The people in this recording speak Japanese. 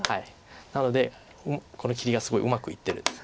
なのでこの切りがすごいうまくいってるんです。